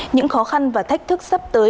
những khó khăn và thách thức sắp tới